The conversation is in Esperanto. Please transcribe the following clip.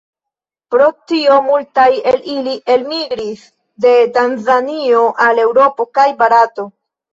Pro tio multaj el ili elmigris de Tanzanio al Eŭropo kaj Barato.